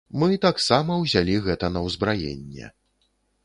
Мы таксама ўзялі гэта на ўзбраенне.